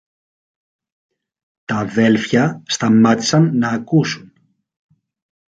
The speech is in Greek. Τ' αδέλφια σταμάτησαν ν' ακούσουν.